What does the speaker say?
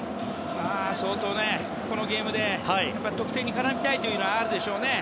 相当、このゲームで得点に絡みたいというのがあるでしょうね。